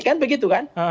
kan begitu kan